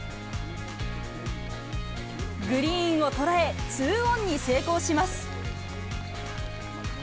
グリーンを捉え、２オンに成功します。